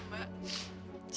gimana sih mya mbak